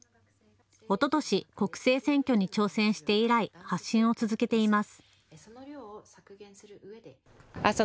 おととし国政選挙に挑戦して以来、発信を続けています。